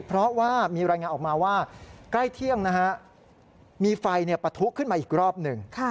เพราะว่ามีรายงานออกมาว่าใกล้เที่ยงนะฮะมีไฟปะทุขึ้นมาอีกรอบหนึ่ง